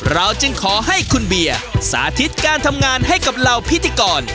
จึงขอให้คุณเบียร์สาธิตการทำงานให้กับเหล่าพิธีกร